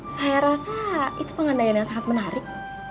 saya rasa itu pengandaian yang sangat menarik